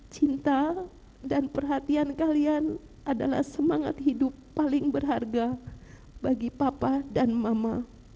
cinta dan perhatian kalian adalah semangat hidup paling berharga bagi papa dan mama